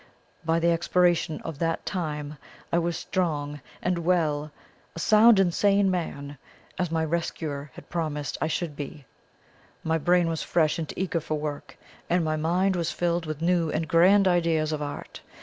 By the expiration of that time I was strong and well a sound and sane man, as my rescuer had promised I should be my brain was fresh and eager for work, and my mind was filled with new and grand ideas of art.